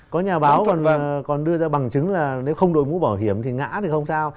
có nhà báo còn đưa ra bằng chứng là nếu không đội mũ bảo hiểm thì ngã thì không sao